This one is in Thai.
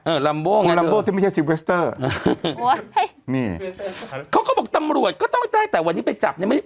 เออลำโบ้งคุณลำโบ้งที่ไม่ใช่นี่เขาก็บอกตำรวจก็ต้องได้แต่วันนี้ไปจับเนี้ยไม่